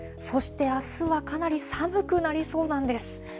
そしてあすはかなり寒くなりそうなんです。